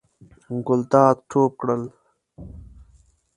ګلداد ټوپ کړل.